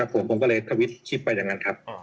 ผมก็เลยทวิตชิปไปอย่างนั้นครับ